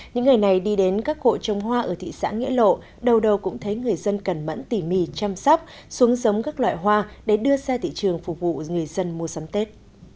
những ngày này đi đến các hộ trồng hoa ở thị xã nghĩa lộ đầu đầu cũng thấy người dân cẩn mẫn tỉ mỉ chăm sóc xuống giống các loại hoa để đưa ra thị trường phục vụ người dân mua sắm tết